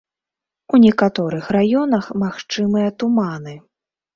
У некаторых раёнах магчымыя туманы.